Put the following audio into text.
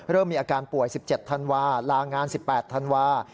เริ่มมีอาการป่วย๑๗ธันวาลางาน๑๘ธันวา